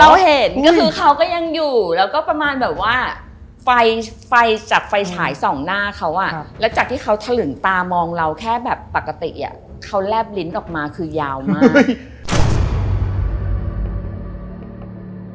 เราเห็นก็คือเขาก็ยังอยู่แล้วก็ประมาณแบบว่าไฟไฟจากไฟฉายส่องหน้าเขาอ่ะแล้วจากที่เขาถลึงตามองเราแค่แบบปกติอ่ะเขาแลบลิ้นออกมาคือยาวมาก